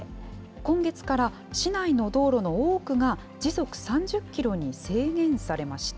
今月から市内の道路の多くが時速３０キロに制限されました。